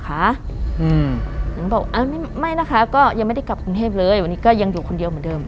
หนูบอกไม่นะคะก็ยังไม่ได้กลับกรุงเทพเลยวันนี้ก็ยังอยู่คนเดียวเหมือนเดิม